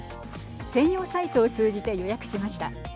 専用サイトを通じて予約しました。